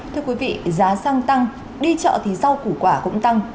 thưa quý vị giá xăng tăng đi chợ thì rau củ quả cũng tăng